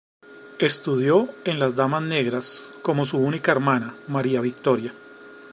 Estudió en las Damas Negras, como su única hermana, María Victoria.